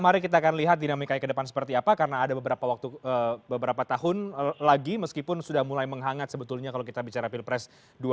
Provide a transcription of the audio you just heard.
mari kita akan lihat dinamikanya ke depan seperti apa karena ada beberapa waktu beberapa tahun lagi meskipun sudah mulai menghangat sebetulnya kalau kita bicara pilpres dua ribu sembilan belas